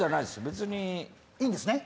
別にいいんですね？